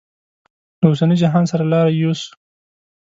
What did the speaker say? له اوسني جهان سره لاره یوسو.